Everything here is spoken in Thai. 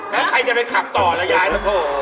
แล้วใครจะไปขับต่อแล้วย้ายมาโถ